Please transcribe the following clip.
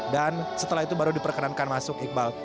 dan setelah itu baru diperkenankan masuk iqbal